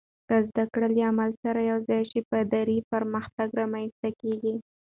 که زده کړه له عمل سره یوځای شي، پایدار پرمختګ رامنځته کېږي.